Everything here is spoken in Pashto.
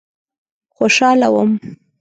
خوشاله وم.